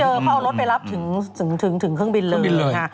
เขาเอารถไปรับถึงเครื่องบินเลย